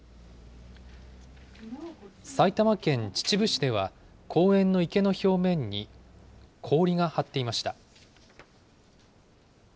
埼玉県秩父市では、公園の池の表面に氷が張っていました。